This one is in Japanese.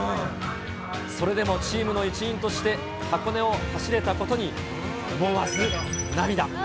それでもチームの一員として、箱根を走れたことに思わず涙。